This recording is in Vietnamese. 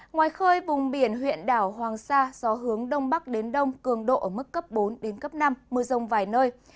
ngoài khơi vùng biển huyện đảo hoàng sa gió hướng đông bắc đến đông cường độ ở mức cấp bốn đến cấp năm mưa rông vài nơi